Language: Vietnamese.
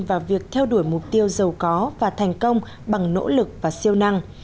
vào việc theo đuổi mục tiêu giàu có và thành công bằng nỗ lực và siêu năng